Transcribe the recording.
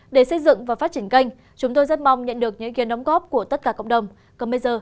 để xây dựng và phát triển kênh chúng tôi rất mong nhận được những ý kiến đóng góp của tất cả cộng đồng